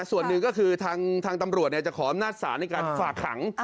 ส่วนหนึ่งก็คือทางตำรวจจะขออำนาจศาลในการฝากขัง